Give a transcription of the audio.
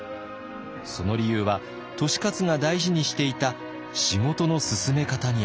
その理由は利勝が大事にしていた仕事の進め方にありました。